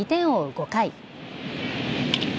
５回。